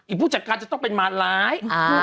ผู้จัดการจะต้องเป็นมารร้าย